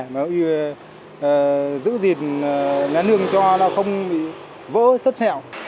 phải giữ gìn nén hương cho nó không bị vỡ sất xẹo